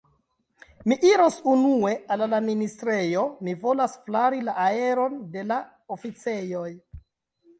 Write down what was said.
Mi iros unue al la ministrejo; mi volas flari la aeron de la oficejoj.